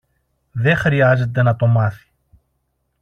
Δε χρειάζεται να το μάθει.